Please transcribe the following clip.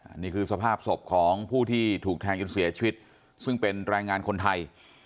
อันนี้คือสภาพศพของผู้ที่ถูกแทงจนเสียชีวิตซึ่งเป็นแรงงานคนไทย